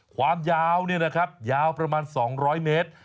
ความยาวนี่นะครับยาวประมาณ๒๐๐เมตร